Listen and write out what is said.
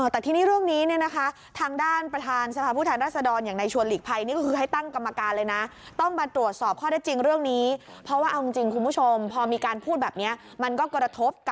แต่ที่นี่เรื่องนี้ทางด้านประทานสภาพุทธรรษดร